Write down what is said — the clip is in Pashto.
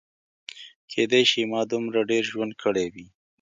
کیدای شي ما دومره ډېر ژوند کړی وي.